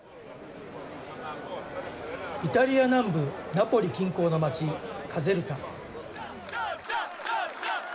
イタリア南部ナポリ近郊の町カゼルタ。